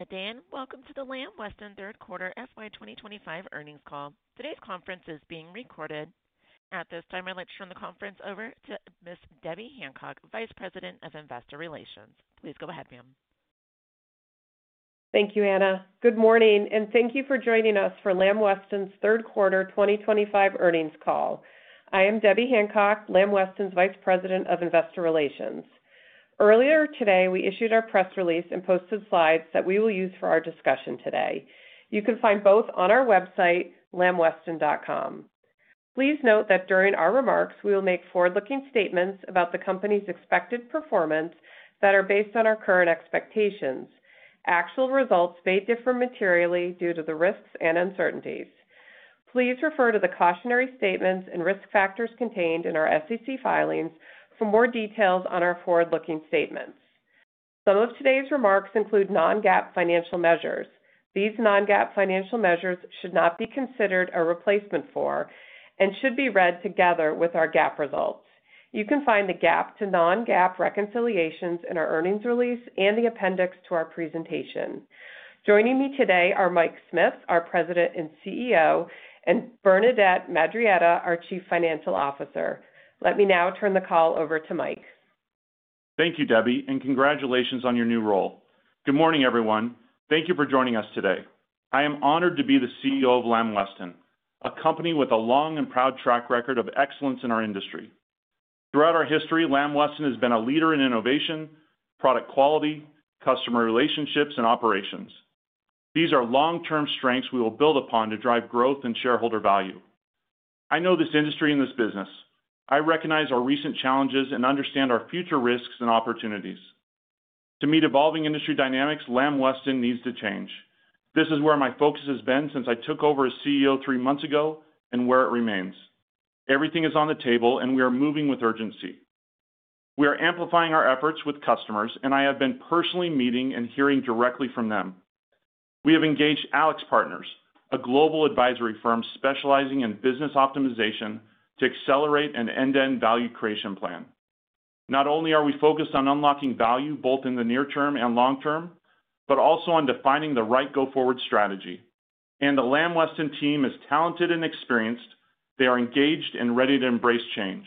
Again, welcome to the Lamb Weston third quarter FY 2025 earnings call. Today's conference is being recorded. At this time, I'd like to turn the conference over to Ms. Debbie Hancock, Vice President of Investor Relations. Please go ahead, ma'am. Thank you, Anna. Good morning, and thank you for joining us for Lamb Weston's third quarter 2025 earnings call. I am Debbie Hancock, Lamb Weston's Vice President of Investor Relations. Earlier today, we issued our press release and posted slides that we will use for our discussion today. You can find both on our website, lambweston.com. Please note that during our remarks, we will make forward-looking statements about the company's expected performance that are based on our current expectations. Actual results may differ materially due to the risks and uncertainties. Please refer to the cautionary statements and risk factors contained in our SEC filings for more details on our forward-looking statements. Some of today's remarks include non-GAAP financial measures. These non-GAAP financial measures should not be considered a replacement for and should be read together with our GAAP results. You can find the GAAP to non-GAAP reconciliations in our earnings release and the appendix to our presentation. Joining me today are Mike Smith, our President and CEO, and Bernadette Madarieta, our Chief Financial Officer. Let me now turn the call over to Mike. Thank you, Debbie, and congratulations on your new role. Good morning, everyone. Thank you for joining us today. I am honored to be the CEO of Lamb Weston, a company with a long and proud track record of excellence in our industry. Throughout our history, Lamb Weston has been a leader in innovation, product quality, customer relationships, and operations. These are long-term strengths we will build upon to drive growth and shareholder value. I know this industry and this business. I recognize our recent challenges and understand our future risks and opportunities. To meet evolving industry dynamics, Lamb Weston needs to change. This is where my focus has been since I took over as CEO three months ago and where it remains. Everything is on the table, and we are moving with urgency. We are amplifying our efforts with customers, and I have been personally meeting and hearing directly from them. We have engaged AlixPartners, a global advisory firm specializing in business optimization, to accelerate an end-to-end value creation plan. Not only are we focused on unlocking value both in the near term and long term, but also on defining the right go-forward strategy. The Lamb Weston team is talented and experienced. They are engaged and ready to embrace change.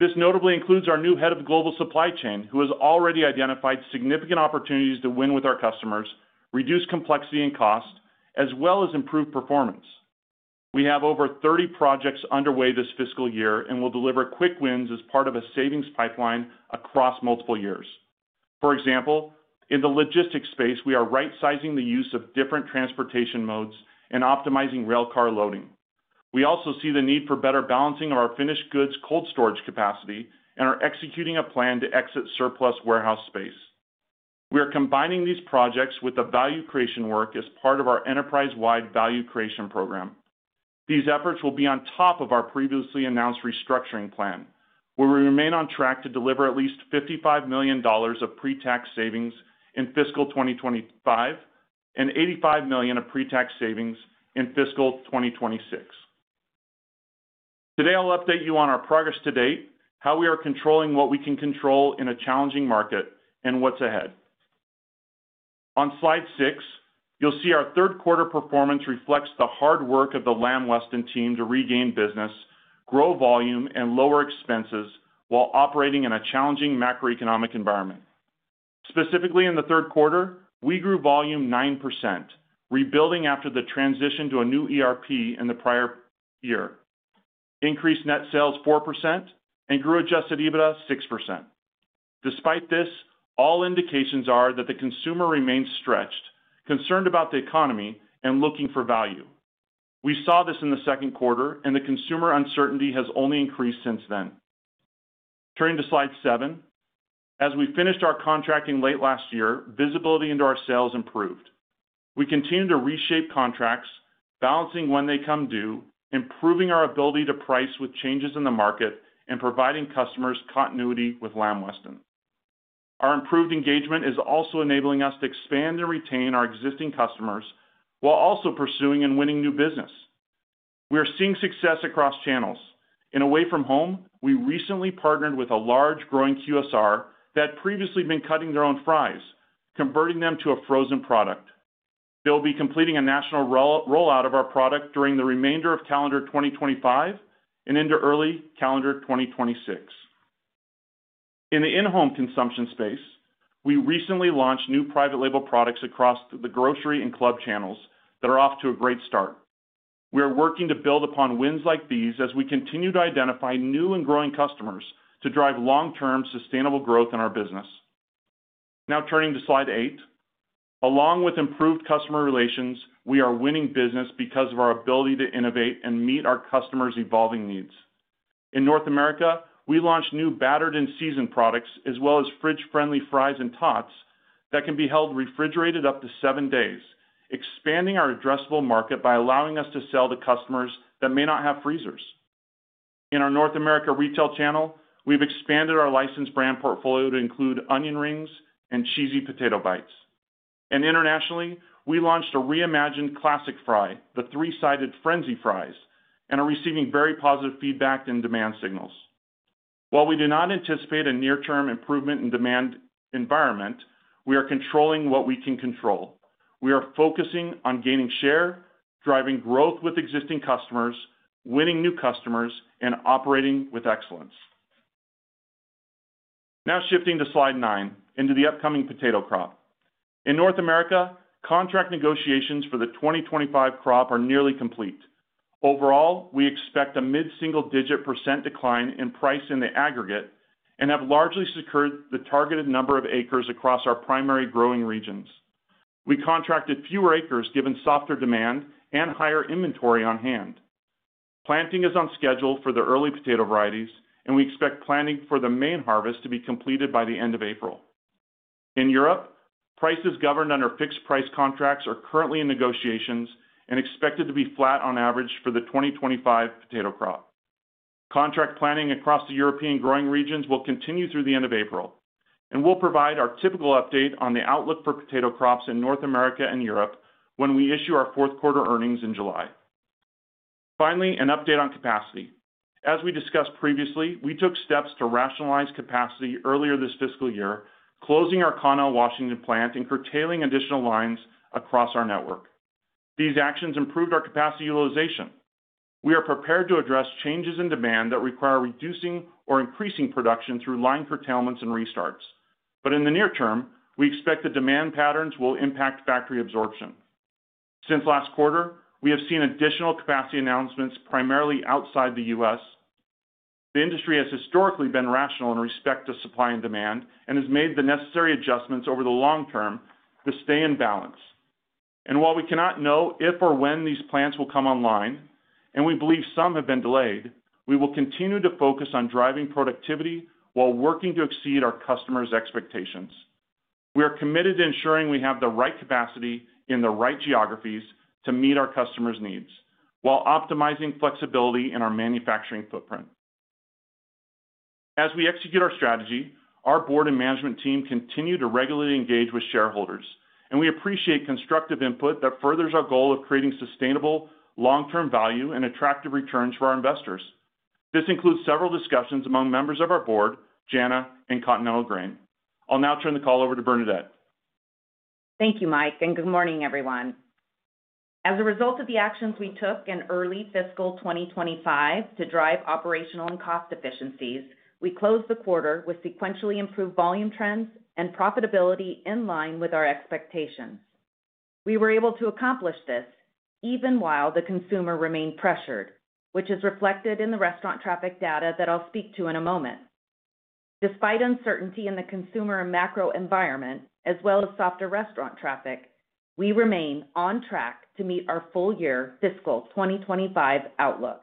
This notably includes our new Head of Global Supply Chain, who has already identified significant opportunities to win with our customers, reduce complexity and cost, as well as improve performance. We have over 30 projects underway this fiscal year and will deliver quick wins as part of a savings pipeline across multiple years. For example, in the logistics space, we are right-sizing the use of different transportation modes and optimizing railcar loading. We also see the need for better balancing of our finished goods cold storage capacity and are executing a plan to exit surplus warehouse space. We are combining these projects with the value creation work as part of our enterprise-wide value creation program. These efforts will be on top of our previously announced restructuring plan, where we remain on track to deliver at least $55 million of pre-tax savings in fiscal 2025 and $85 million of pre-tax savings in fiscal 2026. Today, I'll update you on our progress to date, how we are controlling what we can control in a challenging market, and what's ahead. On slide six, you'll see our third quarter performance reflects the hard work of the Lamb Weston team to regain business, grow volume, and lower expenses while operating in a challenging macroeconomic environment. Specifically, in the third quarter, we grew volume 9%, rebuilding after the transition to a new ERP in the prior year, increased net sales 4%, and grew adjusted EBITDA 6%. Despite this, all indications are that the consumer remains stretched, concerned about the economy, and looking for value. We saw this in the second quarter, and the consumer uncertainty has only increased since then. Turning to slide seven, as we finished our contracting late last year, visibility into our sales improved. We continue to reshape contracts, balancing when they come due, improving our ability to price with changes in the market, and providing customers continuity with Lamb Weston. Our improved engagement is also enabling us to expand and retain our existing customers while also pursuing and winning new business. We are seeing success across channels. In away from home, we recently partnered with a large growing QSR that had previously been cutting their own fries, converting them to a frozen product. They'll be completing a national rollout of our product during the remainder of calendar 2025 and into early calendar 2026. In the in-home consumption space, we recently launched new private label products across the grocery and club channels that are off to a great start. We are working to build upon wins like these as we continue to identify new and growing customers to drive long-term sustainable growth in our business. Now turning to slide eight, along with improved customer relations, we are winning business because of our ability to innovate and meet our customers' evolving needs. In North America, we launched new battered and seasoned products as well as Fridge Friendly fries and tots that can be held refrigerated up to seven days, expanding our addressable market by allowing us to sell to customers that may not have freezers. In our North America retail channel, we've expanded our licensed brand portfolio to include onion rings and Cheesy Potato Bites. Internationally, we launched a reimagined classic fry, the three-sided Frenzy Fries, and are receiving very positive feedback and demand signals. While we do not anticipate a near-term improvement in demand environment, we are controlling what we can control. We are focusing on gaining share, driving growth with existing customers, winning new customers, and operating with excellence. Now shifting to slide nine into the upcoming potato crop. In North America, contract negotiations for the 2025 crop are nearly complete. Overall, we expect a mid-single-digit % decline in price in the aggregate and have largely secured the targeted number of acres across our primary growing regions. We contracted fewer acres given softer demand and higher inventory on hand. Planting is on schedule for the early potato varieties, and we expect planting for the main harvest to be completed by the end of April. In Europe, prices governed under fixed price contracts are currently in negotiations and expected to be flat on average for the 2025 potato crop. Contract planning across the European growing regions will continue through the end of April, and we'll provide our typical update on the outlook for potato crops in North America and Europe when we issue our fourth quarter earnings in July. Finally, an update on capacity. As we discussed previously, we took steps to rationalize capacity earlier this fiscal year, closing our Connell, Washington plant, and curtailing additional lines across our network. These actions improved our capacity utilization. We are prepared to address changes in demand that require reducing or increasing production through line curtailments and restarts. In the near term, we expect the demand patterns will impact factory absorption. Since last quarter, we have seen additional capacity announcements primarily outside the U.S. The industry has historically been rational in respect to supply and demand and has made the necessary adjustments over the long term to stay in balance. While we cannot know if or when these plants will come online, and we believe some have been delayed, we will continue to focus on driving productivity while working to exceed our customers' expectations. We are committed to ensuring we have the right capacity in the right geographies to meet our customers' needs while optimizing flexibility in our manufacturing footprint. As we execute our strategy, our board and management team continue to regularly engage with shareholders, and we appreciate constructive input that furthers our goal of creating sustainable, long-term value and attractive returns for our investors. This includes several discussions among members of our board, JANA and Continental Grain. I'll now turn the call over to Bernadette. Thank you, Mike, and good morning, everyone. As a result of the actions we took in early fiscal 2025 to drive operational and cost efficiencies, we closed the quarter with sequentially improved volume trends and profitability in line with our expectations. We were able to accomplish this even while the consumer remained pressured, which is reflected in the restaurant traffic data that I'll speak to in a moment. Despite uncertainty in the consumer macro environment, as well as softer restaurant traffic, we remain on track to meet our full year fiscal 2025 outlook.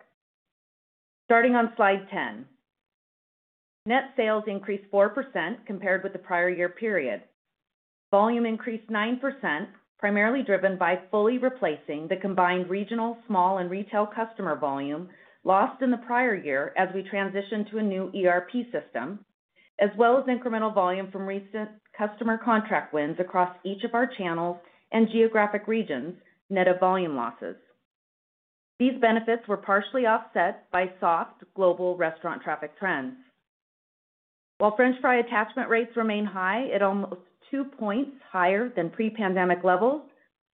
Starting on slide 10, net sales increased 4% compared with the prior year period. Volume increased 9%, primarily driven by fully replacing the combined regional, small, and retail customer volume lost in the prior year as we transitioned to a new ERP system, as well as incremental volume from recent customer contract wins across each of our channels and geographic regions, net of volume losses. These benefits were partially offset by soft global restaurant traffic trends. While French fry attachment rates remain high at almost two points higher than pre-pandemic levels,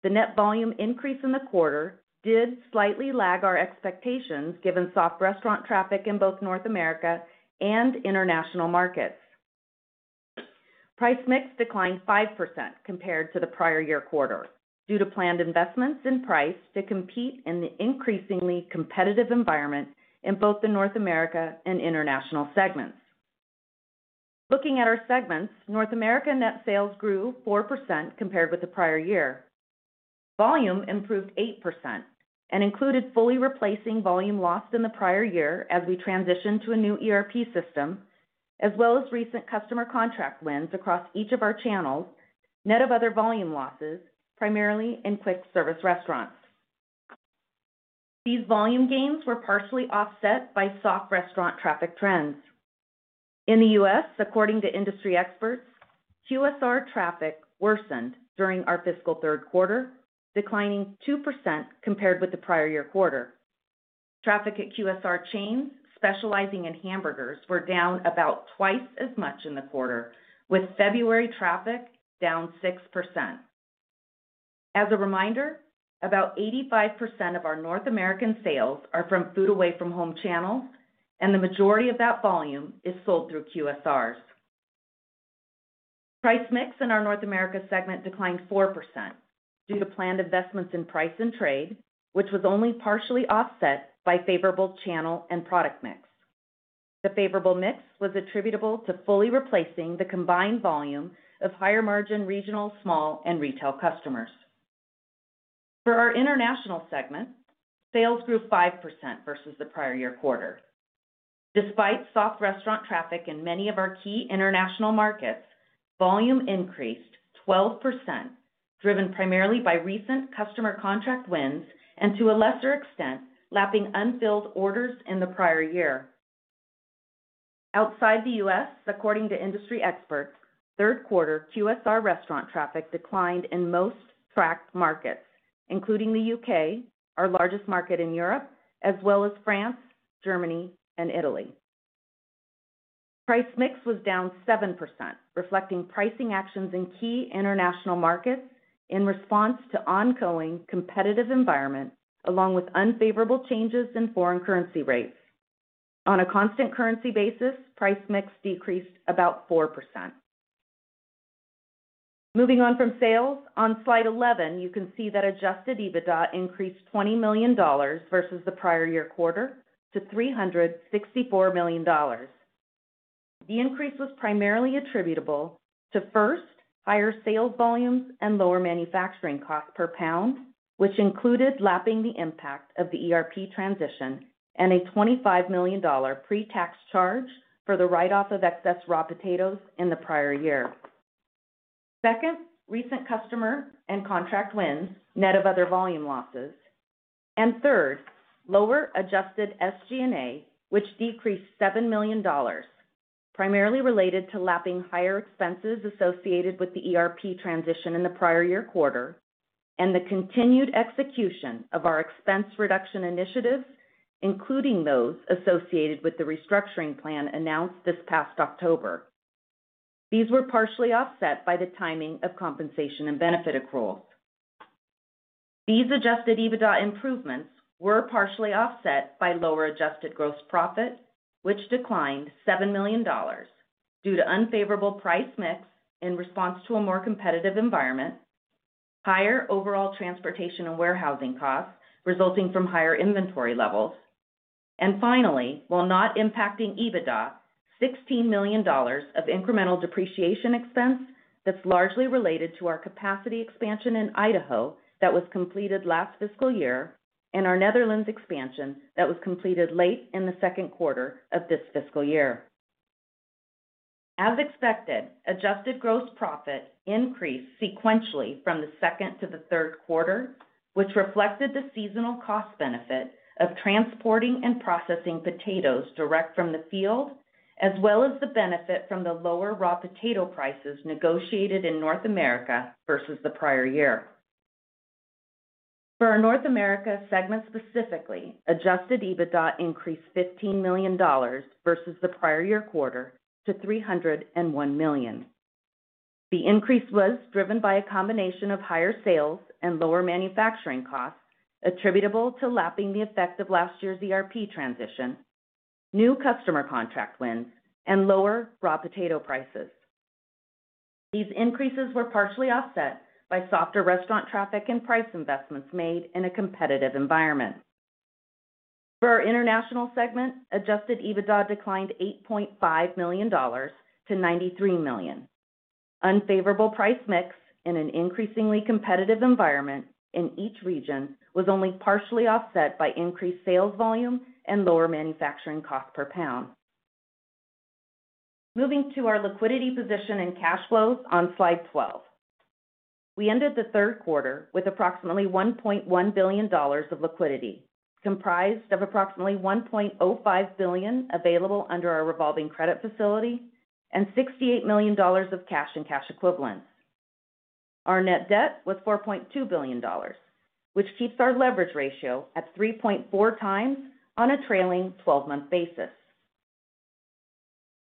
the net volume increase in the quarter did slightly lag our expectations given soft restaurant traffic in both North America and international markets. Price mix declined 5% compared to the prior year quarter due to planned investments in price to compete in the increasingly competitive environment in both the North America and international segments. Looking at our segments, North America net sales grew 4% compared with the prior year. Volume improved 8% and included fully replacing volume lost in the prior year as we transitioned to a new ERP system, as well as recent customer contract wins across each of our channels, net of other volume losses, primarily in quick service restaurants. These volume gains were partially offset by soft restaurant traffic trends. In the U.S., according to industry experts, QSR traffic worsened during our fiscal third quarter, declining 2% compared with the prior year quarter. Traffic at QSR chains specializing in hamburgers were down about twice as much in the quarter, with February traffic down 6%. As a reminder, about 85% of our North American sales are from food away from home channels, and the majority of that volume is sold through QSRs. Price mix in our North America segment declined 4% due to planned investments in price and trade, which was only partially offset by favorable channel and product mix. The favorable mix was attributable to fully replacing the combined volume of higher margin regional, small, and retail customers. For our international segment, sales grew 5% versus the prior year quarter. Despite soft restaurant traffic in many of our key international markets, volume increased 12%, driven primarily by recent customer contract wins and to a lesser extent lapping unfilled orders in the prior year. Outside the U.S., according to industry experts, third quarter QSR restaurant traffic declined in most tracked markets, including the U.K., our largest market in Europe, as well as France, Germany, and Italy. Price mix was down 7%, reflecting pricing actions in key international markets in response to ongoing competitive environment, along with unfavorable changes in foreign currency rates. On a constant currency basis, price mix decreased about 4%. Moving on from sales, on slide 11, you can see that adjusted EBITDA increased $20 million versus the prior year quarter to $364 million. The increase was primarily attributable to first, higher sales volumes and lower manufacturing costs per pound, which included lapping the impact of the ERP transition and a $25 million pre-tax charge for the write-off of excess raw potatoes in the prior year. Second, recent customer and contract wins, net of other volume losses. Third, lower adjusted SG&A, which decreased $7 million, primarily related to lapping higher expenses associated with the ERP transition in the prior year quarter and the continued execution of our expense reduction initiatives, including those associated with the restructuring plan announced this past October. These were partially offset by the timing of compensation and benefit accruals. These adjusted EBITDA improvements were partially offset by lower adjusted gross profit, which declined $7 million due to unfavorable price mix in response to a more competitive environment, higher overall transportation and warehousing costs resulting from higher inventory levels. Finally, while not impacting EBITDA, $16 million of incremental depreciation expense that is largely related to our capacity expansion in Idaho that was completed last fiscal year and our Netherlands expansion that was completed late in the second quarter of this fiscal year. As expected, adjusted gross profit increased sequentially from the second to the third quarter, which reflected the seasonal cost benefit of transporting and processing potatoes direct from the field, as well as the benefit from the lower raw potato prices negotiated in North America versus the prior year. For our North America segment specifically, adjusted EBITDA increased $15 million versus the prior year quarter to $301 million. The increase was driven by a combination of higher sales and lower manufacturing costs attributable to lapping the effect of last year's ERP transition, new customer contract wins, and lower raw potato prices. These increases were partially offset by softer restaurant traffic and price investments made in a competitive environment. For our international segment, adjusted EBITDA declined $8.5 million to $93 million. Unfavorable price mix in an increasingly competitive environment in each region was only partially offset by increased sales volume and lower manufacturing costs per pound. Moving to our liquidity position and cash flows on slide 12. We ended the third quarter with approximately $1.1 billion of liquidity, comprised of approximately $1.05 billion available under our revolving credit facility and $68 million of cash and cash equivalents. Our net debt was $4.2 billion, which keeps our leverage ratio at 3.4 times on a trailing 12-month basis.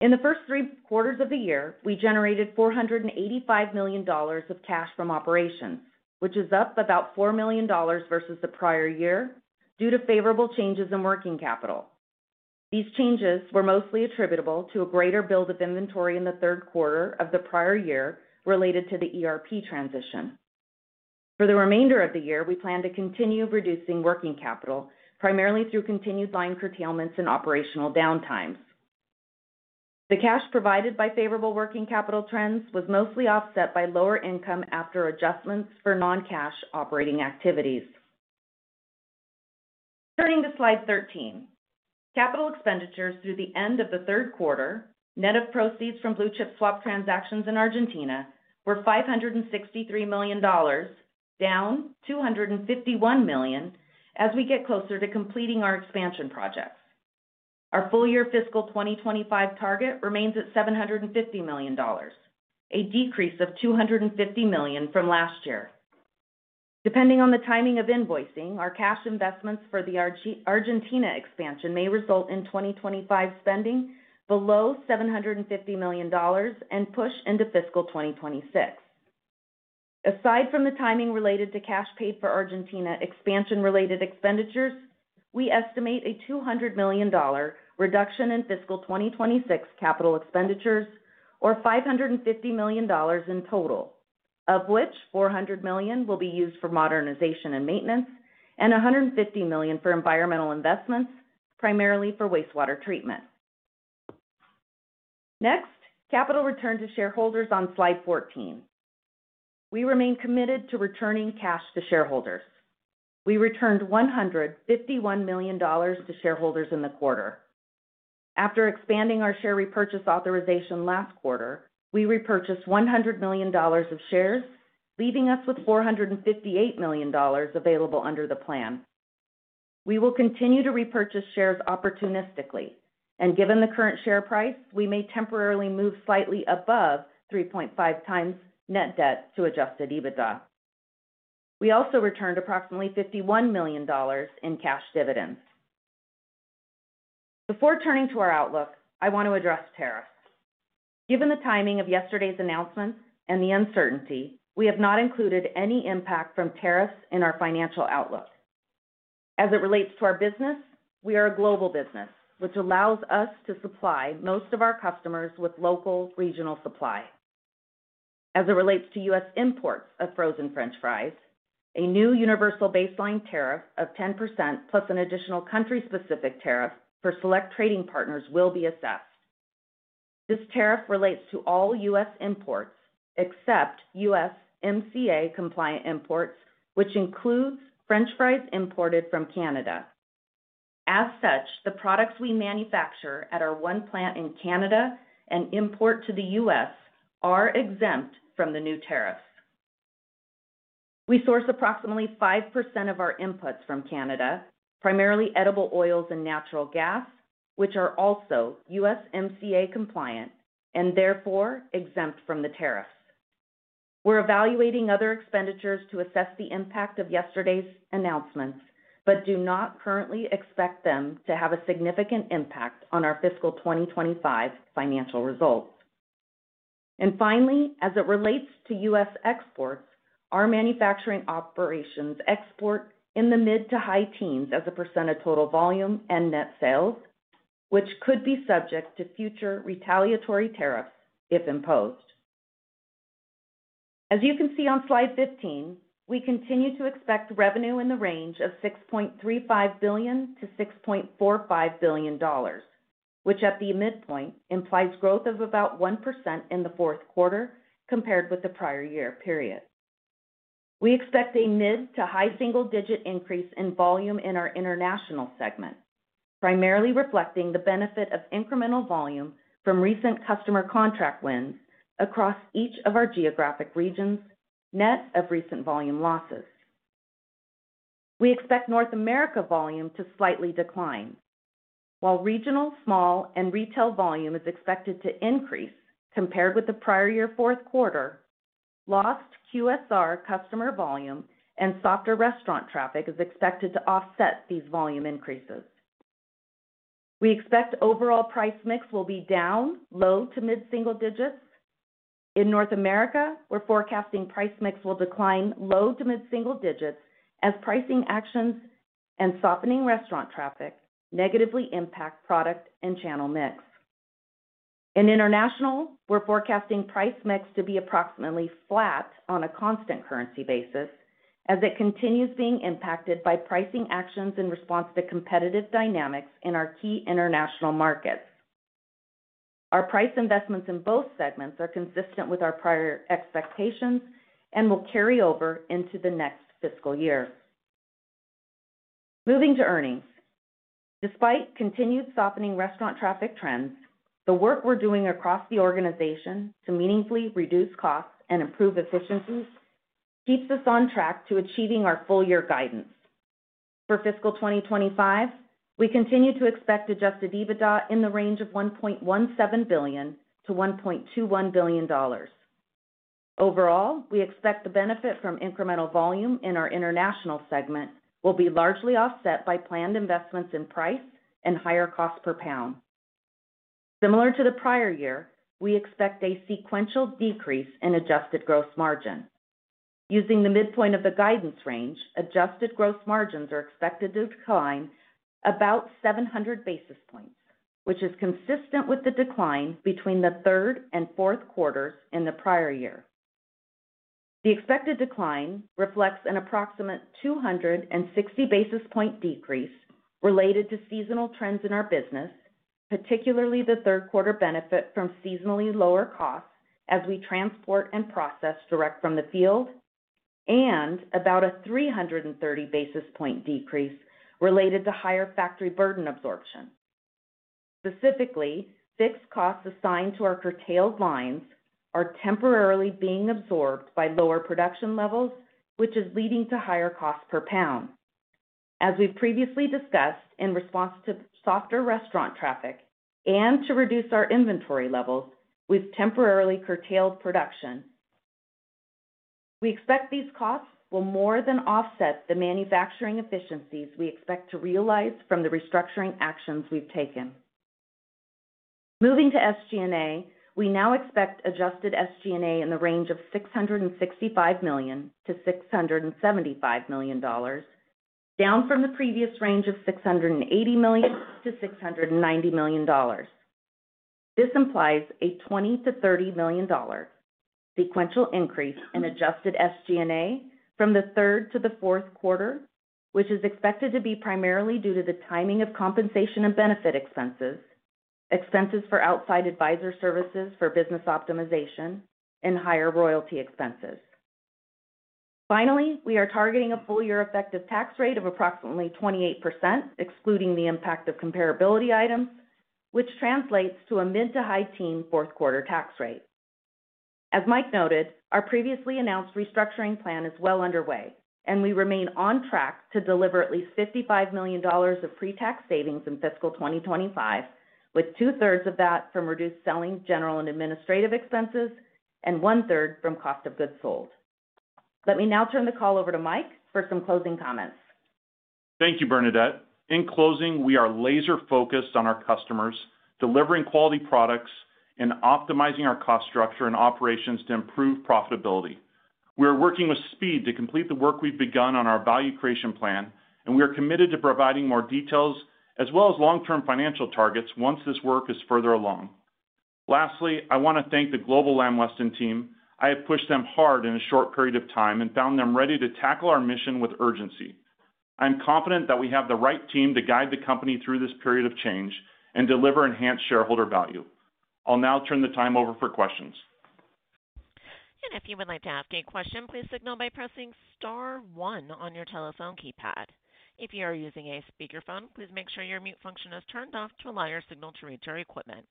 In the first three quarters of the year, we generated $485 million of cash from operations, which is up about $4 million versus the prior year due to favorable changes in working capital. These changes were mostly attributable to a greater build of inventory in the third quarter of the prior year related to the ERP transition. For the remainder of the year, we plan to continue reducing working capital, primarily through continued line curtailments and operational downtimes. The cash provided by favorable working capital trends was mostly offset by lower income after adjustments for non-cash operating activities. Turning to slide 13, capital expenditures through the end of the third quarter, net of proceeds from blue chip swap transactions in Argentina, were $563 million, down $251 million as we get closer to completing our expansion projects. Our full year fiscal 2025 target remains at $750 million, a decrease of $250 million from last year. Depending on the timing of invoicing, our cash investments for the Argentina expansion may result in 2025 spending below $750 million and push into fiscal 2026. Aside from the timing related to cash paid for Argentina expansion-related expenditures, we estimate a $200 million reduction in fiscal 2026 capital expenditures, or $550 million in total, of which $400 million will be used for modernization and maintenance and $150 million for environmental investments, primarily for wastewater treatment. Next, capital return to shareholders on slide 14. We remain committed to returning cash to shareholders. We returned $151 million to shareholders in the quarter. After expanding our share repurchase authorization last quarter, we repurchased $100 million of shares, leaving us with $458 million available under the plan. We will continue to repurchase shares opportunistically, and given the current share price, we may temporarily move slightly above 3.5 times net debt to adjusted EBITDA. We also returned approximately $51 million in cash dividends. Before turning to our outlook, I want to address tariffs. Given the timing of yesterday's announcements and the uncertainty, we have not included any impact from tariffs in our financial outlook. As it relates to our business, we are a global business, which allows us to supply most of our customers with local regional supply. As it relates to U.S. imports of frozen French fries, a new universal baseline tariff of 10% plus an additional country-specific tariff for select trading partners will be assessed. This tariff relates to all U.S. imports except USMCA-compliant imports, which includes French fries imported from Canada. As such, the products we manufacture at our one plant in Canada and import to the U.S. are exempt from the new tariffs. We source approximately 5% of our inputs from Canada, primarily edible oils and natural gas, which are also USMCA-compliant and therefore exempt from the tariffs. We are evaluating other expenditures to assess the impact of yesterday's announcements, but do not currently expect them to have a significant impact on our fiscal 2025 financial results. Finally, as it relates to U.S. exports, our manufacturing operations export in the mid to high teens as a percent of total volume and net sales, which could be subject to future retaliatory tariffs if imposed. As you can see on slide 15, we continue to expect revenue in the range of $6.35 billion-$6.45 billion, which at the midpoint implies growth of about 1% in the fourth quarter compared with the prior year period. We expect a mid to high single-digit increase in volume in our international segment, primarily reflecting the benefit of incremental volume from recent customer contract wins across each of our geographic regions, net of recent volume losses. We expect North America volume to slightly decline, while regional, small, and retail volume is expected to increase compared with the prior year fourth quarter. Lost QSR customer volume and softer restaurant traffic is expected to offset these volume increases. We expect overall price mix will be down low to mid single digits. In North America, we're forecasting price mix will decline low to mid single digits as pricing actions and softening restaurant traffic negatively impact product and channel mix. In international, we're forecasting price mix to be approximately flat on a constant currency basis as it continues being impacted by pricing actions in response to competitive dynamics in our key international markets. Our price investments in both segments are consistent with our prior expectations and will carry over into the next fiscal year. Moving to earnings. Despite continued softening restaurant traffic trends, the work we're doing across the organization to meaningfully reduce costs and improve efficiencies keeps us on track to achieving our full year guidance. For fiscal 2025, we continue to expect adjusted EBITDA in the range of $1.17 billion-$1.21 billion. Overall, we expect the benefit from incremental volume in our international segment will be largely offset by planned investments in price and higher cost per pound. Similar to the prior year, we expect a sequential decrease in adjusted gross margin. Using the midpoint of the guidance range, adjusted gross margins are expected to decline about 700 basis points, which is consistent with the decline between the third and fourth quarters in the prior year. The expected decline reflects an approximate 260 basis point decrease related to seasonal trends in our business, particularly the third quarter benefit from seasonally lower costs as we transport and process direct from the field, and about a 330 basis point decrease related to higher factory burden absorption. Specifically, fixed costs assigned to our curtailed lines are temporarily being absorbed by lower production levels, which is leading to higher cost per pound. As we've previously discussed, in response to softer restaurant traffic and to reduce our inventory levels with temporarily curtailed production, we expect these costs will more than offset the manufacturing efficiencies we expect to realize from the restructuring actions we've taken. Moving to SG&A, we now expect adjusted SG&A in the range of $665 million-$675 million, down from the previous range of $680 million-$690 million. This implies a $20 million-$30 million sequential increase in adjusted SG&A from the third to the fourth quarter, which is expected to be primarily due to the timing of compensation and benefit expenses, expenses for outside advisor services for business optimization, and higher royalty expenses. Finally, we are targeting a full year effective tax rate of approximately 28%, excluding the impact of comparability items, which translates to a mid to high teen fourth quarter tax rate. As Mike noted, our previously announced restructuring plan is well underway, and we remain on track to deliver at least $55 million of pre-tax savings in fiscal 2025, with two-thirds of that from reduced selling, general, and administrative expenses and one-third from cost of goods sold. Let me now turn the call over to Mike for some closing comments. Thank you, Bernadette. In closing, we are laser-focused on our customers, delivering quality products, and optimizing our cost structure and operations to improve profitability. We are working with speed to complete the work we have begun on our value creation plan, and we are committed to providing more details as well as long-term financial targets once this work is further along. Lastly, I want to thank the global Lamb Weston team. I have pushed them hard in a short period of time and found them ready to tackle our mission with urgency. I'm confident that we have the right team to guide the company through this period of change and deliver enhanced shareholder value. I'll now turn the time over for questions. If you would like to ask a question, please signal by pressing Star 1 on your telephone keypad. If you are using a speakerphone, please make sure your mute function is turned off to allow your signal to reach your equipment.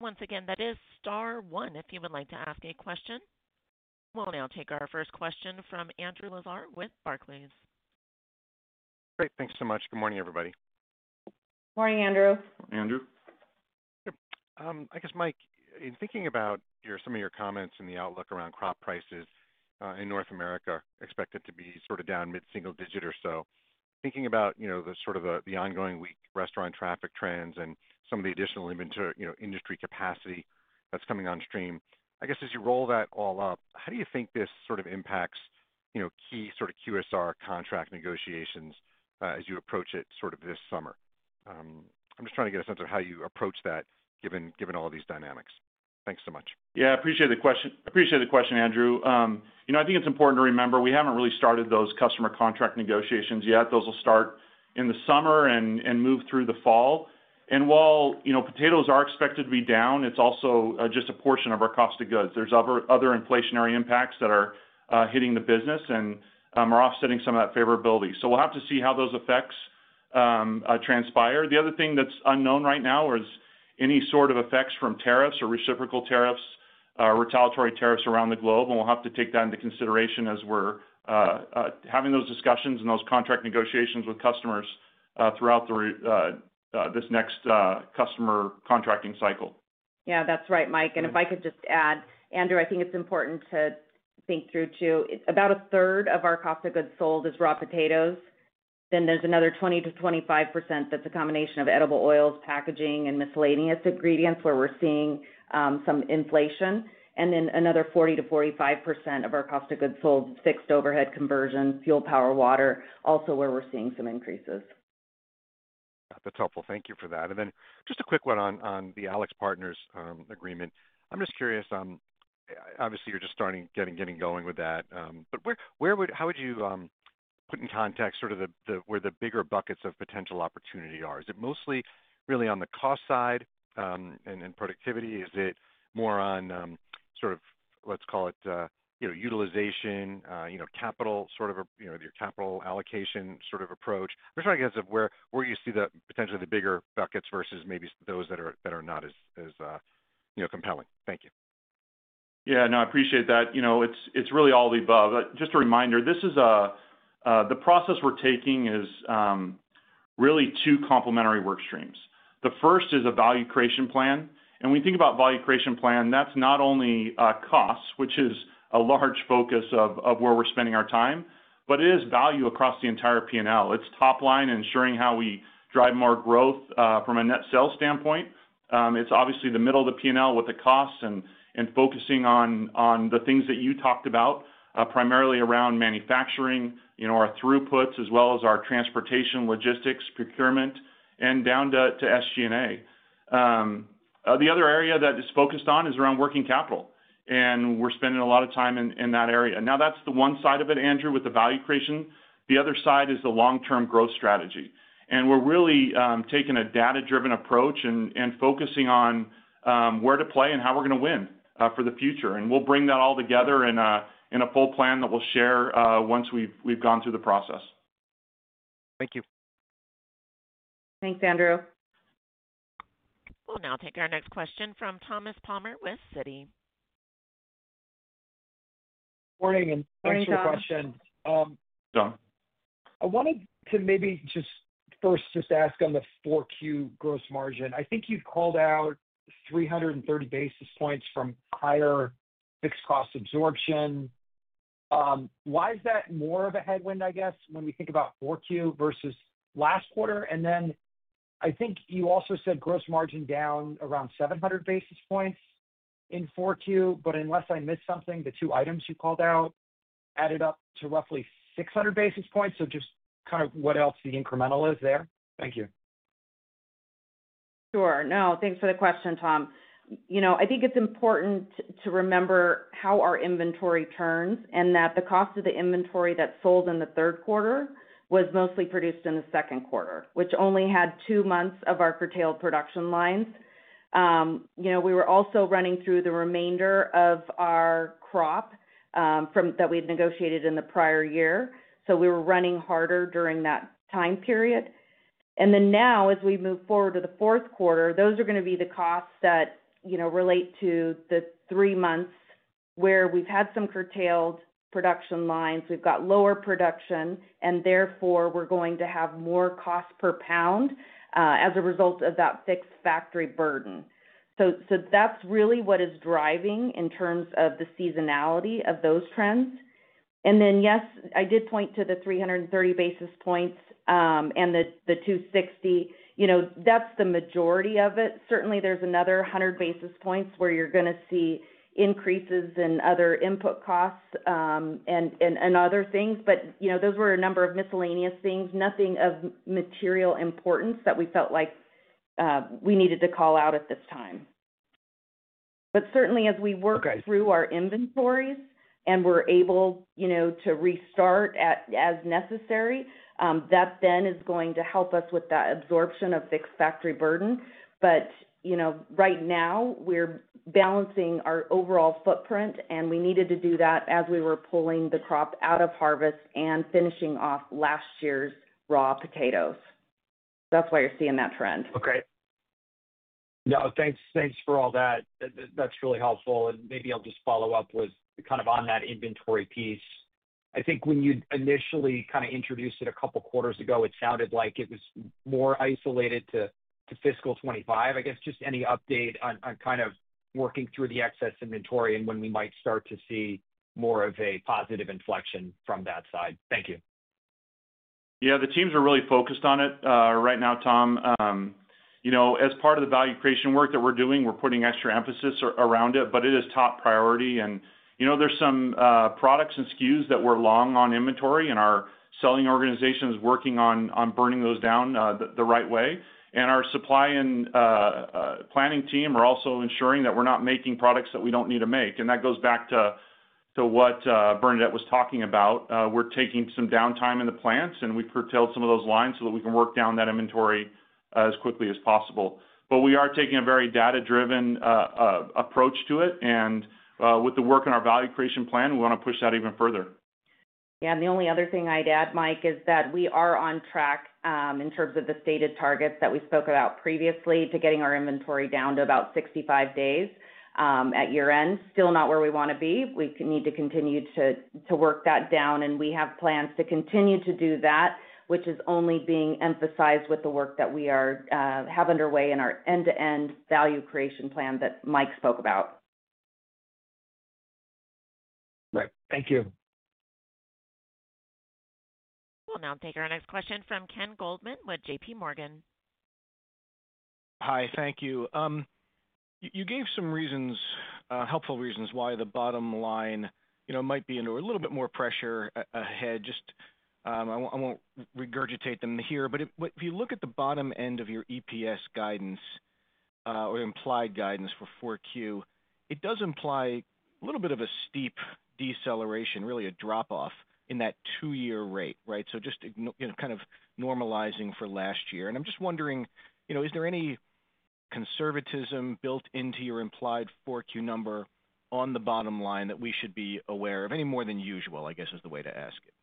Once again, that is Star 1 if you would like to ask a question. We'll now take our first question from Andrew Lazar with Barclays. Great. Thanks so much. Good morning, everybody. Morning, Andrew. Morning, Andrew. I guess, Mike, in thinking about some of your comments and the outlook around crop prices in North America, expected to be sort of down mid single digit or so, thinking about the sort of the ongoing weak restaurant traffic trends and some of the additional industry capacity that's coming on stream, I guess as you roll that all up, how do you think this sort of impacts key sort of QSR contract negotiations as you approach it sort of this summer? I'm just trying to get a sense of how you approach that given all these dynamics. Thanks so much. Yeah, I appreciate the question. I appreciate the question, Andrew. I think it's important to remember we haven't really started those customer contract negotiations yet. Those will start in the summer and move through the fall. While potatoes are expected to be down, it's also just a portion of our cost of goods. There are other inflationary impacts that are hitting the business and are offsetting some of that favorability. We will have to see how those effects transpire. The other thing that's unknown right now is any sort of effects from tariffs or reciprocal tariffs, retaliatory tariffs around the globe. We will have to take that into consideration as we are having those discussions and those contract negotiations with customers throughout this next customer contracting cycle. That's right, Mike. If I could just add, Andrew, I think it's important to think through too about a third of our cost of goods sold is raw potatoes. Then there's another 20-25% that's a combination of edible oils, packaging, and miscellaneous ingredients where we're seeing some inflation. Another 40%-45% of our cost of goods sold is fixed overhead conversion, fuel, power, water, also where we're seeing some increases. That's helpful. Thank you for that. Just a quick one on the AlixPartners agreement. I'm just curious, obviously you're just starting getting going with that, but how would you put in context sort of where the bigger buckets of potential opportunity are? Is it mostly really on the cost side and productivity? Is it more on sort of, let's call it utilization, capital, sort of your capital allocation sort of approach? I'm just trying to get a sense of where you see potentially the bigger buckets versus maybe those that are not as compelling. Thank you. Yeah, no, I appreciate that. It's really all the above. Just a reminder, the process we're taking is really two complementary work streams. The first is a value creation plan. When we think about value creation plan, that's not only costs, which is a large focus of where we're spending our time, but it is value across the entire P&L. It's top line and ensuring how we drive more growth from a net sales standpoint. It's obviously the middle of the P&L with the costs and focusing on the things that you talked about, primarily around manufacturing, our throughputs, as well as our transportation, logistics, procurement, and down to SG&A. The other area that is focused on is around working capital, and we're spending a lot of time in that area. Now, that's the one side of it, Andrew, with the value creation. The other side is the long-term growth strategy. We're really taking a data-driven approach and focusing on where to play and how we're going to win for the future. We'll bring that all together in a full plan that we'll share once we've gone through the process. Thank you. Thanks, Andrew. We'll now take our next question from Thomas Palmer with Citi. Morning and thanks for the question. I wanted to maybe just first just ask on the 4Q gross margin. I think you've called out 330 basis points from higher fixed cost absorption. Why is that more of a headwind, I guess, when we think about 4Q versus last quarter? I think you also said gross margin down around 700 basis points in 4Q, but unless I missed something, the two items you called out added up to roughly 600 basis points. Just kind of what else the incremental is there? Thank you. Sure. No, thanks for the question, Tom. I think it's important to remember how our inventory turns and that the cost of the inventory that sold in the third quarter was mostly produced in the second quarter, which only had two months of our curtailed production lines. We were also running through the remainder of our crop that we'd negotiated in the prior year. We were running harder during that time period. Now, as we move forward to the fourth quarter, those are going to be the costs that relate to the three months where we've had some curtailed production lines. We've got lower production, and therefore we're going to have more cost per pound as a result of that fixed factory burden. That's really what is driving in terms of the seasonality of those trends. Yes, I did point to the 330 basis points and the 260. That is the majority of it. Certainly, there is another 100 basis points where you are going to see increases in other input costs and other things. Those were a number of miscellaneous things, nothing of material importance that we felt like we needed to call out at this time. Certainly, as we work through our inventories and we are able to restart as necessary, that is going to help us with that absorption of fixed factory burden. Right now, we are balancing our overall footprint, and we needed to do that as we were pulling the crop out of harvest and finishing off last year's raw potatoes. That is why you are seeing that trend. Okay. No, thanks for all that. That is really helpful. Maybe I will just follow up with kind of on that inventory piece. I think when you initially kind of introduced it a couple of quarters ago, it sounded like it was more isolated to fiscal 2025. I guess just any update on kind of working through the excess inventory and when we might start to see more of a positive inflection from that side. Thank you. Yeah, the teams are really focused on it right now, Tom. As part of the value creation work that we are doing, we are putting extra emphasis around it, but it is top priority. There are some products and SKUs that we are long on inventory, and our selling organization is working on burning those down the right way. Our supply and planning team are also ensuring that we are not making products that we do not need to make. That goes back to what Bernadette was talking about. We're taking some downtime in the plants, and we've curtailed some of those lines so that we can work down that inventory as quickly as possible. We are taking a very data-driven approach to it. With the work in our value creation plan, we want to push that even further. Yeah, the only other thing I'd add, Mike, is that we are on track in terms of the stated targets that we spoke about previously to getting our inventory down to about 65 days at year-end. Still not where we want to be. We need to continue to work that down, and we have plans to continue to do that, which is only being emphasized with the work that we have underway in our end-to-end value creation plan that Mike spoke about. Right. Thank you. We'll now take our next question from Ken Goldman with JPMorgan Chase & Co. Hi, thank you. You gave some helpful reasons why the bottom line might be under a little bit more pressure ahead. I won't regurgitate them here. If you look at the bottom end of your EPS guidance or implied guidance for 4Q, it does imply a little bit of a steep deceleration, really a drop-off in that two-year rate, right? Just kind of normalizing for last year. I'm just wondering, is there any conservatism built into your implied 4Q number on the bottom line that we should be aware of? Any more than usual, I guess, is the way to ask it.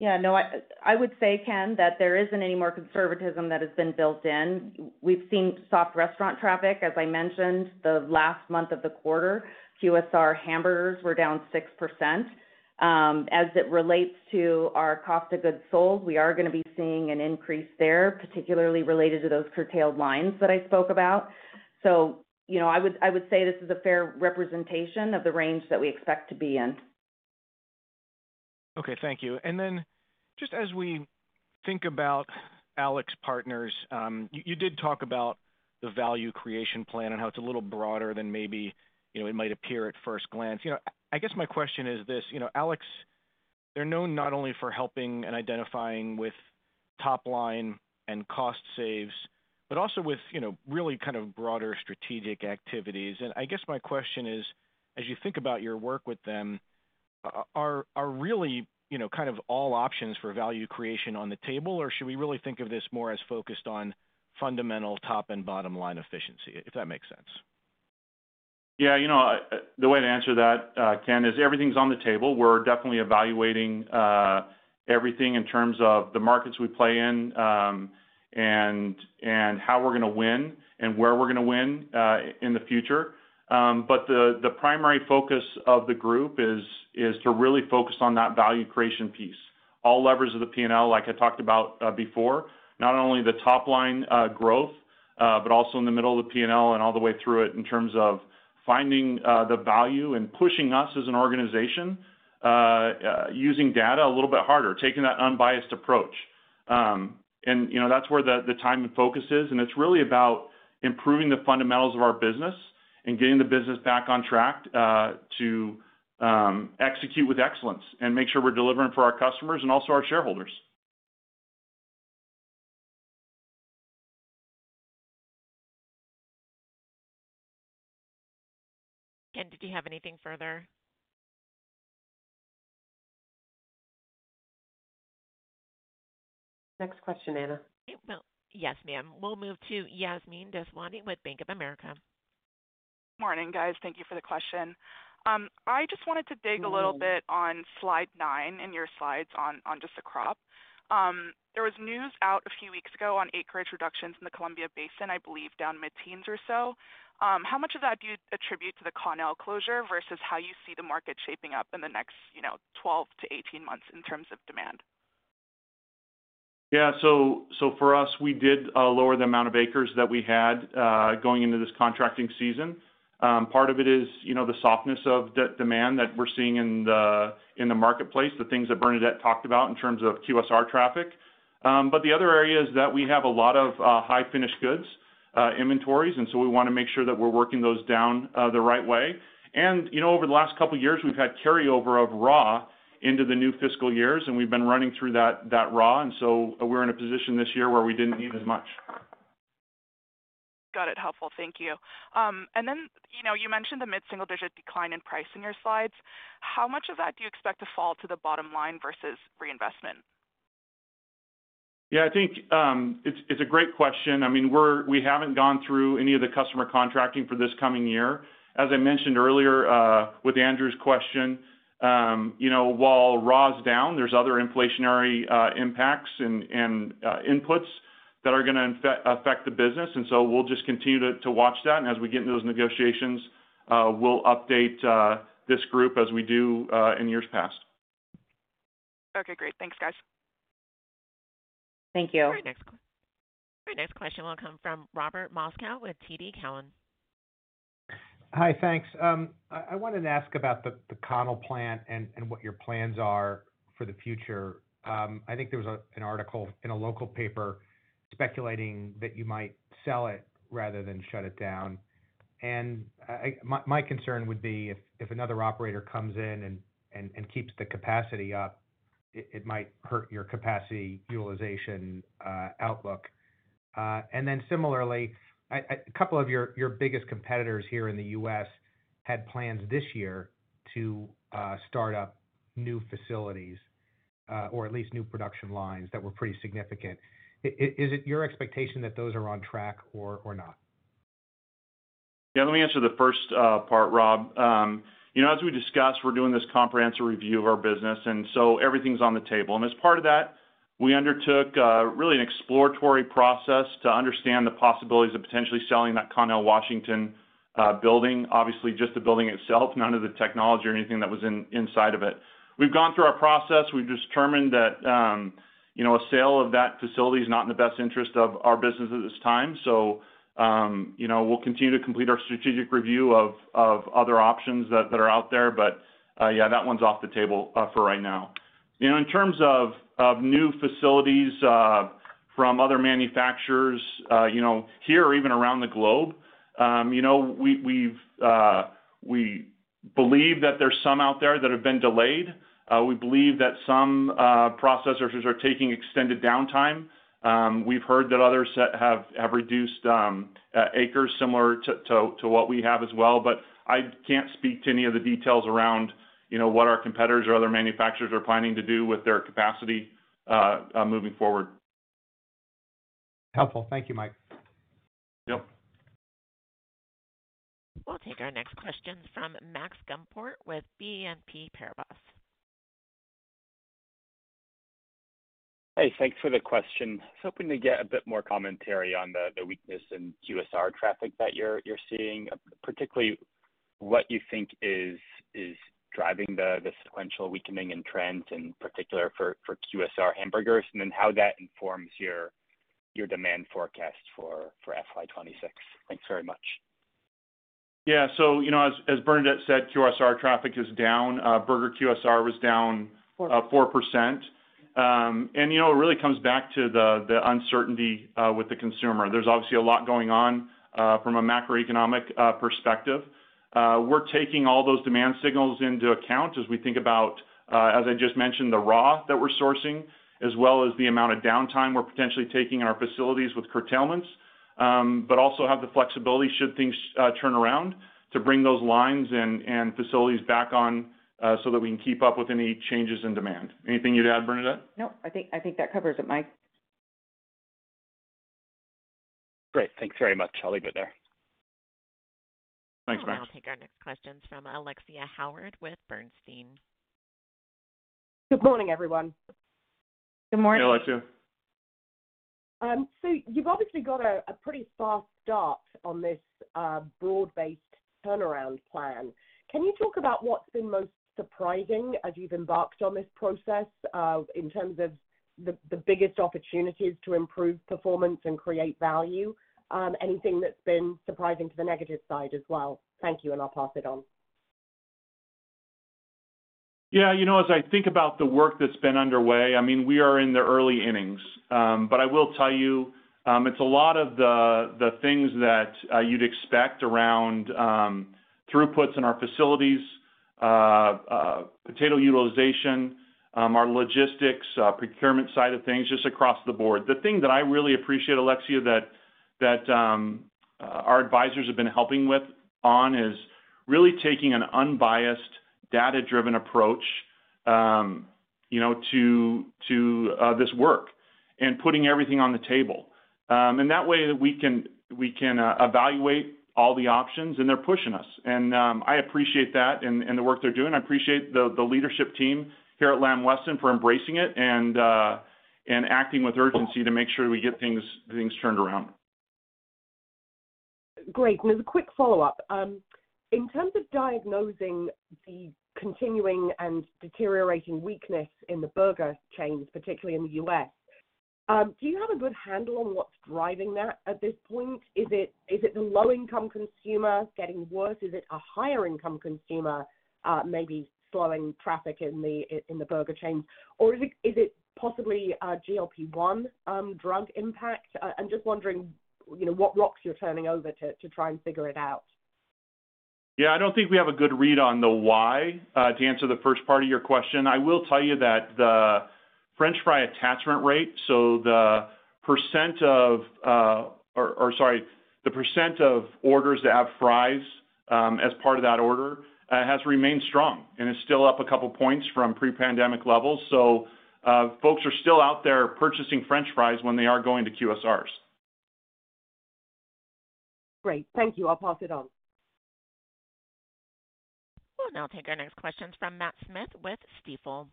Yeah, no, I would say, Ken, that there isn't any more conservatism that has been built in. We've seen soft restaurant traffic, as I mentioned, the last month of the quarter. QSR hamburgers were down 6%. As it relates to our cost of goods sold, we are going to be seeing an increase there, particularly related to those curtailed lines that I spoke about. I would say this is a fair representation of the range that we expect to be in. Okay, thank you. Just as we think about AlixPartners, you did talk about the value creation plan and how it's a little broader than maybe it might appear at first glance. I guess my question is this: Alix, they're known not only for helping and identifying with top line and cost saves, but also with really kind of broader strategic activities. I guess my question is, as you think about your work with them, are really kind of all options for value creation on the table, or should we really think of this more as focused on fundamental top and bottom line efficiency, if that makes sense? Yeah, the way to answer that, Ken, is everything's on the table. We're definitely evaluating everything in terms of the markets we play in and how we're going to win and where we're going to win in the future. The primary focus of the group is to really focus on that value creation piece. All levers of the P&L, like I talked about before, not only the top line growth, but also in the middle of the P&L and all the way through it in terms of finding the value and pushing us as an organization using data a little bit harder, taking that unbiased approach. That is where the time and focus is. It is really about improving the fundamentals of our business and getting the business back on track to execute with excellence and make sure we are delivering for our customers and also our shareholders. Ken, did you have anything further? Next question, Anna. Yes, ma'am. We will move to Yasmine Deswandhy with BofA Securities. Morning, guys. Thank you for the question. I just wanted to dig a little bit on slide nine in your slides on just the crop. There was news out a few weeks ago on acreage reductions in the Columbia Basin, I believe, down mid-teens or so. How much of that do you attribute to the Connell closure versus how you see the market shaping up in the next 12 to 18 months in terms of demand? Yeah, for us, we did lower the amount of acres that we had going into this contracting season. Part of it is the softness of demand that we're seeing in the marketplace, the things that Bernadette talked about in terms of QSR traffic. The other area is that we have a lot of high-finished goods inventories, so we want to make sure that we're working those down the right way. Over the last couple of years, we've had carryover of raw into the new fiscal years, and we've been running through that raw. We're in a position this year where we didn't need as much. Got it. Helpful. Thank you. You mentioned the mid-single-digit decline in price in your slides. How much of that do you expect to fall to the bottom line versus reinvestment? I think it's a great question. I mean, we haven't gone through any of the customer contracting for this coming year. As I mentioned earlier with Andrew's question, while raw is down, there are other inflationary impacts and inputs that are going to affect the business. We'll just continue to watch that. As we get into those negotiations, we'll update this group as we do in years past. Okay, great. Thanks, guys. Thank you. Next question will come from Robert Moskow with TD Cowen. Hi, thanks. I wanted to ask about the Connell plant and what your plans are for the future. I think there was an article in a local paper speculating that you might sell it rather than shut it down. My concern would be if another operator comes in and keeps the capacity up, it might hurt your capacity utilization outlook. Similarly, a couple of your biggest competitors here in the U.S. had plans this year to start up new facilities or at least new production lines that were pretty significant. Is it your expectation that those are on track or not? Yeah, let me answer the first part, Rob. As we discussed, we're doing this comprehensive review of our business, and so everything's on the table. As part of that, we undertook really an exploratory process to understand the possibilities of potentially selling that Connell, Washington building, obviously just the building itself, none of the technology or anything that was inside of it. We have gone through our process. We have determined that a sale of that facility is not in the best interest of our business at this time. We will continue to complete our strategic review of other options that are out there. That one is off the table for right now. In terms of new facilities from other manufacturers here or even around the globe, we believe that there are some out there that have been delayed. We believe that some processors are taking extended downtime. We have heard that others have reduced acres similar to what we have as well. I can't speak to any of the details around what our competitors or other manufacturers are planning to do with their capacity moving forward. Helpful. Thank you, Mike. Yep. We'll take our next question from Max Andrew Gumport with BNP Paribas Exane. Hey, thanks for the question. I was hoping to get a bit more commentary on the weakness in QSR traffic that you're seeing, particularly what you think is driving the sequential weakening in trends in particular for QSR hamburgers and then how that informs your demand forecast for FY 2026. Thanks very much. Yeah, as Bernadette said, QSR traffic is down. Burger QSR was down 4%. It really comes back to the uncertainty with the consumer. There's obviously a lot going on from a macroeconomic perspective. We're taking all those demand signals into account as we think about, as I just mentioned, the raw that we're sourcing, as well as the amount of downtime we're potentially taking in our facilities with curtailments, but also have the flexibility, should things turn around, to bring those lines and facilities back on so that we can keep up with any changes in demand. Anything you'd add, Bernadette? Nope. I think that covers it, Mike. Great. Thanks very much. I'll leave it there. Thanks, Max. We'll take our next questions from Alexia Howard with Bernstein. Good morning, everyone. Good morning. Hi, Alexia. You’ve obviously got a pretty fast start on this broad-based turnaround plan. Can you talk about what's been most surprising as you've embarked on this process in terms of the biggest opportunities to improve performance and create value? Anything that's been surprising to the negative side as well? Thank you, and I'll pass it on. Yeah, as I think about the work that's been underway, I mean, we are in the early innings. I will tell you, it's a lot of the things that you'd expect around throughputs in our facilities, potato utilization, our logistics, procurement side of things, just across the board. The thing that I really appreciate, Alexia, that our advisors have been helping with on is really taking an unbiased, data-driven approach to this work and putting everything on the table. That way, we can evaluate all the options, and they're pushing us. I appreciate that and the work they're doing. I appreciate the leadership team here at Lamb Weston for embracing it and acting with urgency to make sure we get things turned around. Great. As a quick follow-up, in terms of diagnosing the continuing and deteriorating weakness in the burger chains, particularly in the U.S., do you have a good handle on what's driving that at this point? Is it the low-income consumer getting worse? Is it a higher-income consumer maybe slowing traffic in the burger chains? Is it possibly GLP-1 drug impact? I'm just wondering what rocks you're turning over to try and figure it out. Yeah, I don't think we have a good read on the why. To answer the first part of your question, I will tell you that the French fry attachment rate, so the % of orders that have fries as part of that order, has remained strong and is still up a couple of points from pre-pandemic levels. Folks are still out there purchasing French fries when they are going to QSRs. Great. Thank you. I'll pass it on. We'll now take our next questions from Matt Smith with Stifel.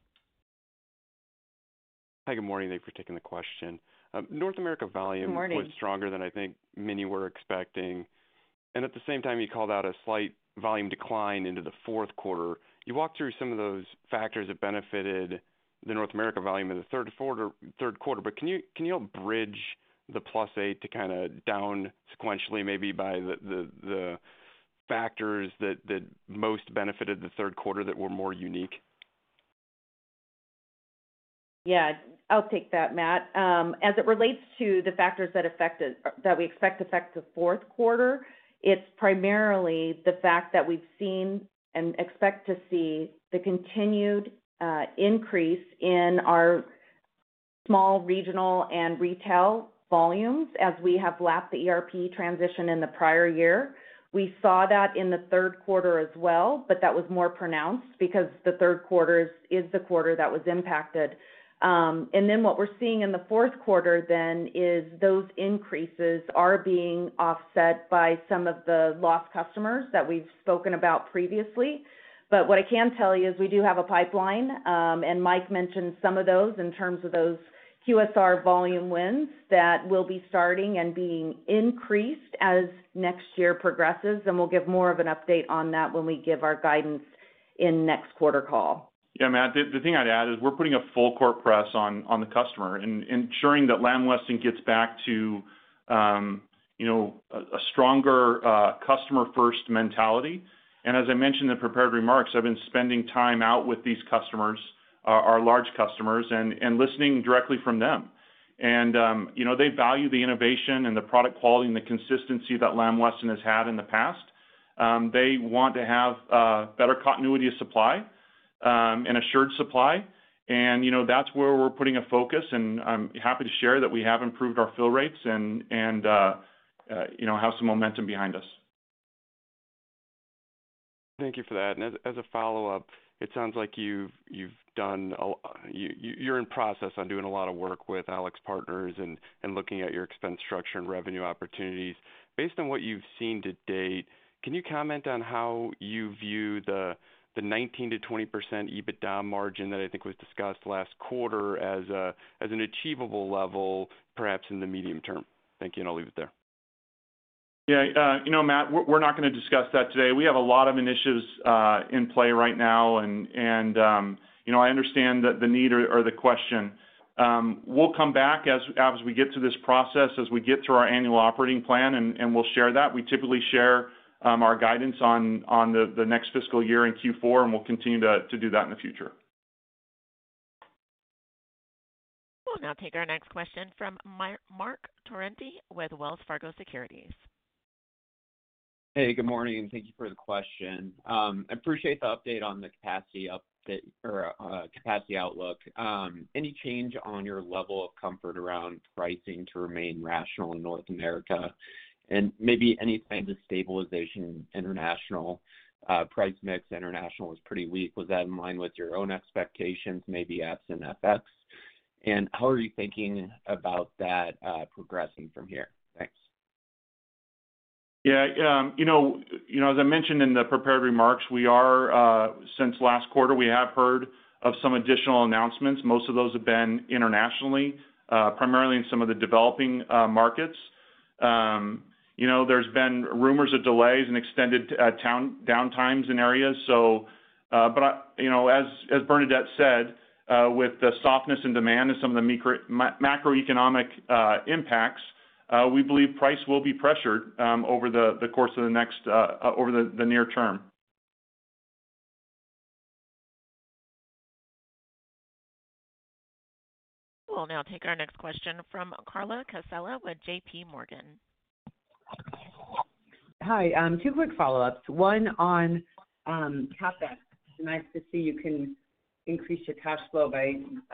Hi, good morning. Thank you for taking the question. North America volume was stronger than I think many were expecting. At the same time, you called out a slight volume decline into the fourth quarter. You walked through some of those factors that benefited the North America volume in the third quarter. Can you help bridge the plus eight to kind of down sequentially maybe by the factors that most benefited the third quarter that were more unique? Yeah, I'll take that, Matt. As it relates to the factors that we expect to affect the fourth quarter, it's primarily the fact that we've seen and expect to see the continued increase in our small regional and retail volumes as we have lapped the ERP transition in the prior year. We saw that in the third quarter as well, that was more pronounced because the third quarter is the quarter that was impacted. What we're seeing in the fourth quarter is those increases are being offset by some of the lost customers that we've spoken about previously. What I can tell you is we do have a pipeline. Mike mentioned some of those in terms of those QSR volume wins that will be starting and being increased as next year progresses. We will give more of an update on that when we give our guidance in next quarter call. Yeah, Matt. The thing I'd add is we're putting a full-court press on the customer, ensuring that Lamb Weston gets back to a stronger customer-first mentality. As I mentioned in the prepared remarks, I've been spending time out with these customers, our large customers, and listening directly from them. They value the innovation and the product quality and the consistency that Lamb Weston has had in the past. They want to have better continuity of supply and assured supply. That is where we're putting a focus. I'm happy to share that we have improved our fill rates and have some momentum behind us. Thank you for that. As a follow-up, it sounds like you've done a lot, you're in process on doing a lot of work with AlixPartners and looking at your expense structure and revenue opportunities. Based on what you've seen to date, can you comment on how you view the 19-20% EBITDA margin that I think was discussed last quarter as an achievable level, perhaps in the medium term? Thank you, and I'll leave it there. Yeah, Matt. We're not going to discuss that today. We have a lot of initiatives in play right now. I understand the need or the question. We'll come back as we get through this process, as we get through our annual operating plan, and we'll share that. We typically share our guidance on the next fiscal year in Q4, and we'll continue to do that in the future. We'll now take our next question from Marc Torrente with Wells Fargo Securities. Hey, good morning. Thank you for the question. I appreciate the update on the capacity outlook. Any change on your level of comfort around pricing to remain rational in North America? Maybe any signs of stabilization international? Price mix international was pretty weak. Was that in line with your own expectations, maybe absent FX? How are you thinking about that progressing from here? Thanks. Yeah, as I mentioned in the prepared remarks, since last quarter, we have heard of some additional announcements. Most of those have been internationally, primarily in some of the developing markets. There's been rumors of delays and extended downtimes in areas. As Bernadette said, with the softness in demand and some of the macroeconomic impacts, we believe price will be pressured over the course of the next, over the near term. We'll now take our next question from Carla Casella with JPMorgan Chase & Co. Hi. Two quick follow-ups. One on CapEx. It's nice to see you can increase your cash flow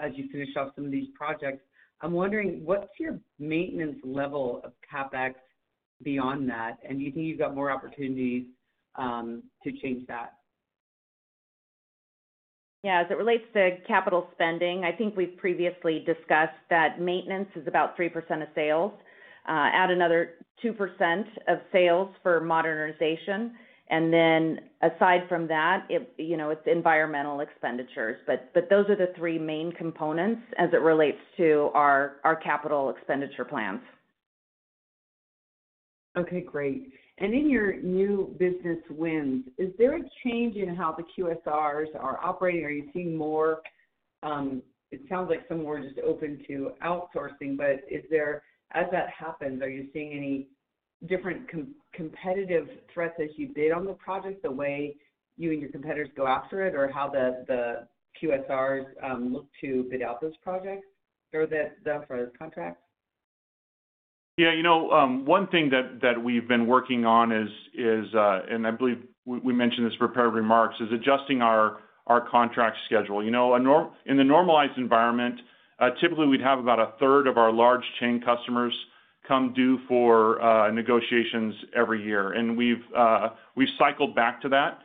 as you finish off some of these projects. I'm wondering, what's your maintenance level of CapEx beyond that? And do you think you've got more opportunities to change that? Yeah, as it relates to capital spending, I think we've previously discussed that maintenance is about 3% of sales. Add another 2% of sales for modernization. Aside from that, it's environmental expenditures. Those are the three main components as it relates to our capital expenditure plans. Okay, great. In your new business wins, is there a change in how the QSRs are operating? Are you seeing more? It sounds like some were just open to outsourcing. As that happens, are you seeing any different competitive threats as you bid on the project, the way you and your competitors go after it, or how the QSRs look to bid out those projects or those contracts? One thing that we have been working on is, and I believe we mentioned this in prepared remarks, adjusting our contract schedule. In the normalized environment, typically, we would have about a third of our large chain customers come due for negotiations every year. We have cycled back to that.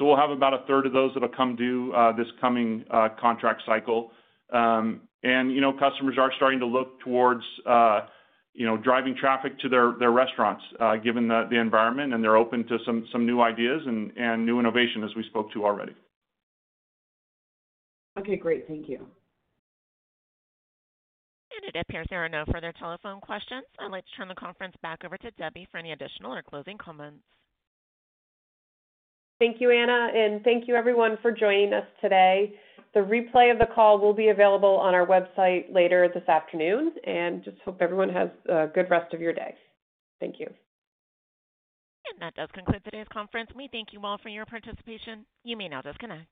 We will have about a third of those that will come due this coming contract cycle. Customers are starting to look towards driving traffic to their restaurants, given the environment. They are open to some new ideas and new innovation, as we spoke to already. Okay, great. Thank you. It appears there are no further telephone questions. I would like to turn the conference back over to Debbie for any additional or closing comments. Thank you, Anna. Thank you, everyone, for joining us today. The replay of the call will be available on our website later this afternoon. I just hope everyone has a good rest of your day. Thank you. That does conclude today's conference. We thank you all for your participation. You may now disconnect.